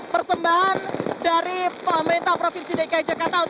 persembahan dari pemerintah provinsi dki jakarta